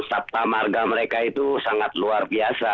sabta marga mereka itu sangat luar biasa